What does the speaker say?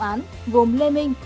công án gồm lê minh